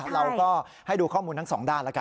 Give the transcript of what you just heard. เราก็ให้ดูข้อมูลทั้งสองด้านแล้วกัน